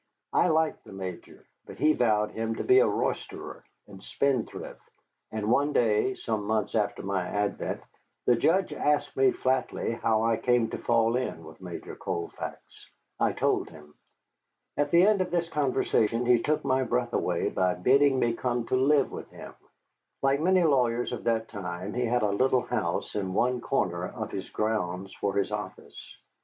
He liked the Major, but he vowed him to be a roisterer and spendthrift, and one day, some months after my advent, the Judge asked me flatly how I came to fall in with Major Colfax. I told him. At the end of this conversation he took my breath away by bidding me come to live with him. Like many lawyers of that time, he had a little house in one corner of his grounds for his office.